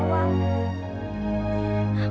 aku harus gimana